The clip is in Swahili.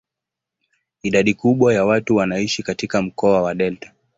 Idadi kubwa ya watu wanaishi katika mkoa wa delta.